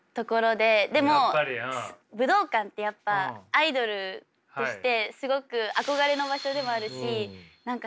でも武道館ってやっぱアイドルとしてすごく憧れの場所でもあるし何か